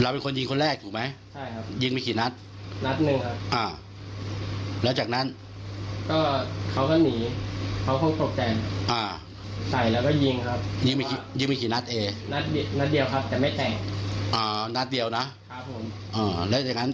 พวกเขาก็วิ่งเข้ามามีแบบปืนแล้วก็ยืนรอยอยู่ทางหน้าล่างดิน